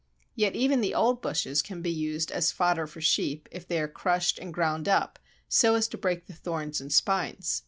Yet even the old bushes can be used as fodder for sheep if they are crushed and ground up so as to break the thorns and spines.